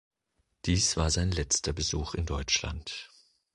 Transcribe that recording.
Dies war sein letzter Besuch in Deutschland.